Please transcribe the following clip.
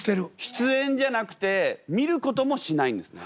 出演じゃなくて見ることもしないんですね。